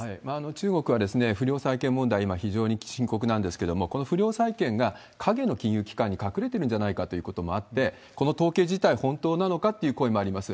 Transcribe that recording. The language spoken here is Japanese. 中国は不良債権問題、今、非常に深刻なんですけれども、この不良債権が影の金融機関に隠れてるんじゃないかということもあって、この統計自体、本当なのかっていう声もあります。